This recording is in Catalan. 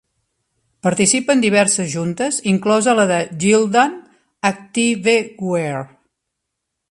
Participa en diverses Juntes, inclosa la de Gildan Activewear.